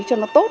cho nó tốt